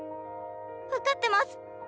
分かってます。